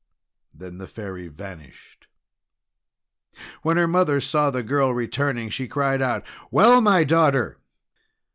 Then the Fairy vanished. When her mother saw the girl returning, she cried out: "Well, my daughter!"